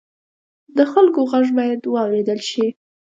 د خلکو غږ باید واورېدل شي.